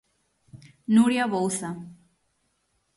Nuria Bouza.